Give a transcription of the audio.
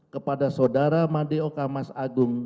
kepada saudara madeoka mas agung